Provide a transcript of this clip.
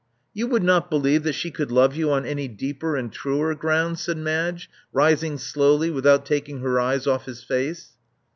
'* You would not believe that she could love you on any deeper and truer grounds?" said Madge, rising slowly without taking her eyes off his face.